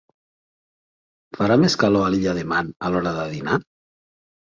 Farà més calor a l'illa de Man a l'hora de dinar?